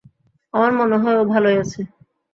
আমার মনে হয় ও ভালোই আছে।